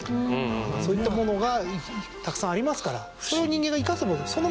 そういったものがたくさんありますからそれを人間が生かすもの